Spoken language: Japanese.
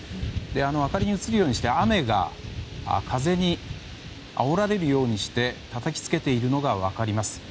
明かりに映るようにして雨が風にあおられるようにしてたたきつけているのが分かります。